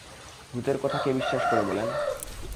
ভূতের কথা কে বিশ্বাস করে বলেন?